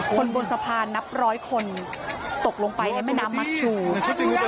คนบนสะพานนับร้อยคนตกลงไปในแม่น้ำมักชู